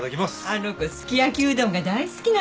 あの子すき焼きうどんが大好きなの。